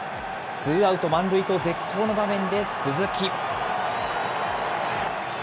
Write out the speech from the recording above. ツーアウト満塁と絶好の場面で鈴木。